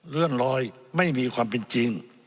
เลื่อนลอยไม่มีความเป็นจริง